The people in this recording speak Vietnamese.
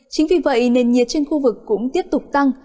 chính vì vậy nền nhiệt trên khu vực cũng tiếp tục tăng